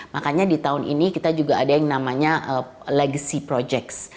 makanya di tahun ini kita juga ada yang namanya legacy projects